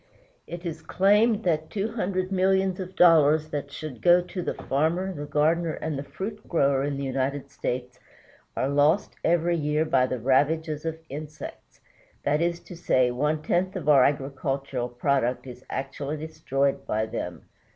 It is claimed that two hundred millions of dollars that should go to the farmer, the gardner, and the fruit grower in the United States are lost every year by the ravages of insects that is to say, one tenth of our agricultural product is actually destroyed by them.